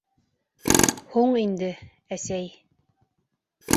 Һуң инде, әсәй...